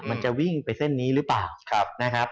มันจะวิ่งไปเส้นนี้หรือเปล่า